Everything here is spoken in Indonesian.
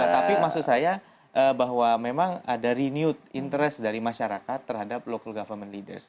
tapi maksud saya bahwa memang ada reneute interest dari masyarakat terhadap local government leaders